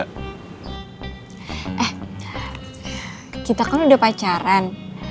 eh kita kan udah pacaran